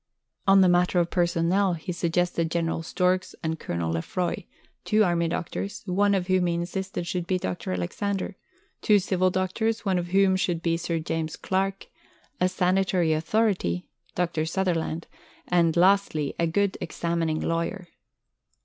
On the matter of personnel, he suggested General Storks and Colonel Lefroy; two army doctors, one of whom he insisted should be Dr. Alexander; two civil doctors, one of whom should be Sir James Clark; a sanitary authority, Dr. Sutherland; and, lastly, a good examining lawyer.